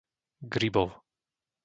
Gribov